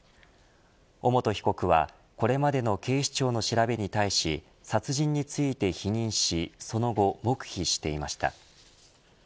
尾本被告はこれまでの警視庁の調べに対し殺人について否認しその後、黙秘していました。